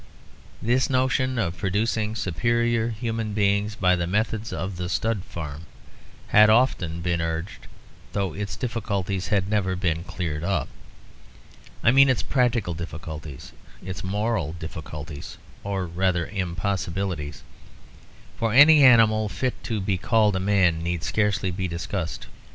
This notion of producing superior human beings by the methods of the stud farm had often been urged, though its difficulties had never been cleared up. I mean its practical difficulties; its moral difficulties, or rather impossibilities, for any animal fit to be called a man need scarcely be discussed.